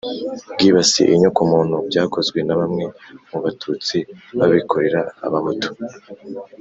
bwibasiye inyoko muntu byakozwe na bamwe mu batutsi babikorera abahutu